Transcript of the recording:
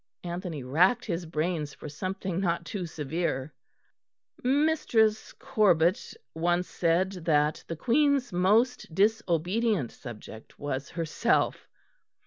Anthony racked his brains for something not too severe. "Mistress Corbet once said that the Queen's most disobedient subject was herself."